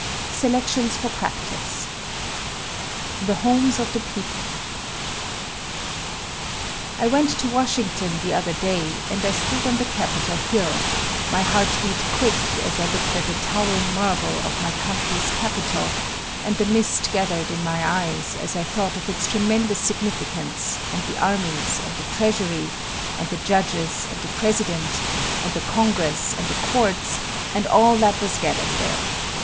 SELECTIONS FOR PRACTISE THE HOMES OF THE PEOPLE I went to Washington the other day, and I stood on the Capitol Hill; my heart beat quick as I looked at the towering marble of my country's Capitol and the mist gathered in my eyes as I thought of its tremendous significance, and the armies and the treasury, and the judges and the President, and the Congress and the courts, and all that was gathered there.